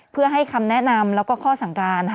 เพื่อให้คำแนะนำแล้วก็ข้อสั่งการ